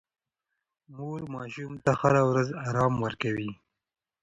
مور ماشوم ته هره ورځ ارام ورکوي.